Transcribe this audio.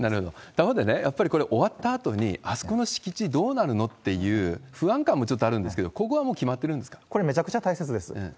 他方でね、やっぱりこれ、終わったあとにあすこの敷地、どうなるの？っていう不安感もちょっとあるんですけど、ここれ、めちゃくちゃ大切です。